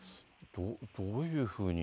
どういうふうに。